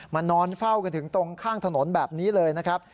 นอนเฝ้ากันถึงตรงข้างถนนแบบนี้เลยนะครับ